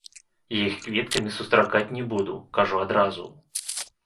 Я іх кветкамі сустракаць не буду, кажу адразу.